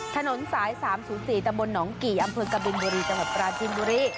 ถนนสาย๓๐๔ตำบลหนองกี่อำเภอกบินบุรีจังหวัดปราจินบุรี